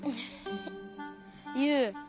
ユウ。